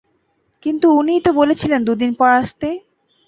কিন্তু উনিই তো বলেছিলেন দুইদিন পর আসতে।